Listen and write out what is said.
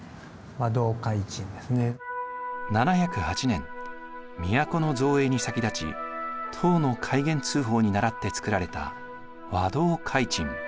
７０８年都の造営に先立ち唐の開元通宝にならってつくられた和同開珎。